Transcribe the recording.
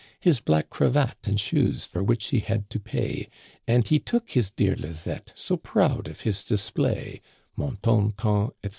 His black cravat, and shoes for which he had to pay ; And he took his dear Lizett', so proud of his display : Mon ton ton, etc.